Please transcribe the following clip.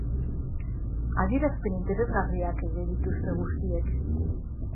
Adierazpen interesgarriak egin dituzte guztiek.